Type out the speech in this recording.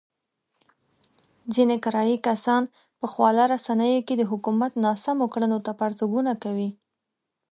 ځنې کرايي کسان په خواله رسينو کې د حکومت ناسمو کړنو ته پرتوګونه کوي.